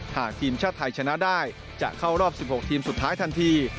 หากทีมชาติไทยชนะได้จะเข้ารอบ๑๖ทีมสุดท้ายทันที